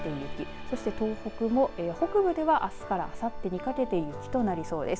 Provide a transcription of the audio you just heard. そして東北も北部ではあすからあさってにかけて雪となりそうです。